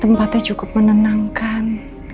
tempatnya cukup menenangkan